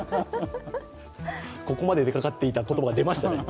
ここまで出かかっていた言葉が出ましたね。